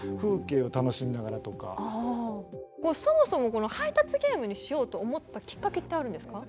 そもそもこの配達ゲームにしようと思ったきっかけってあるんですか？